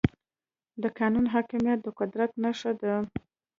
د قانون حاکميت د قدرت نښه ده.